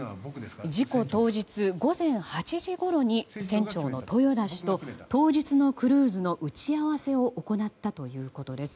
事故当日、午前８時ごろに船長の豊田氏と当日のクルーズの打ち合わせを行ったということです。